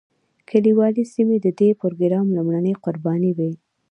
کلیوالي سیمې د دې پروګرام لومړنۍ قربانۍ وې.